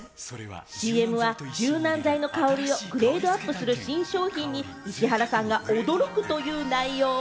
ＣＭは柔軟剤の香りをグレードアップする新商品に石原さんが驚くという内容。